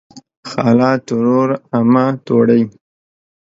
خاله ترور امه توړۍ